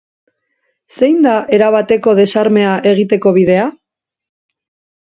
Zein da erabateko desarmea egiteko bidea?